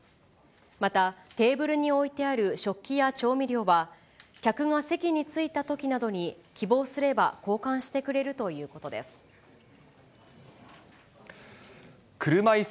また、テーブルに置いてある食器や調味料は、客が席に着いたときなどに希望すれば交換してくれるということです。